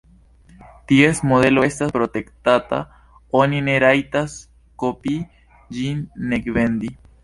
Ties modelo estas protektata: oni ne rajtas kopii ĝin, nek vendi.